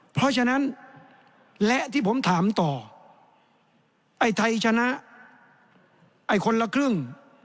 เพราะฉะนั้นและที่ผมถามต่อไอ้ไทยชนะไอ้คนละครึ่ง